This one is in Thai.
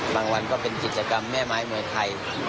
วันก็เป็นกิจกรรมแม่ไม้มวยไทย